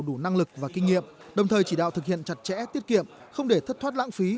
đủ năng lực và kinh nghiệm đồng thời chỉ đạo thực hiện chặt chẽ tiết kiệm không để thất thoát lãng phí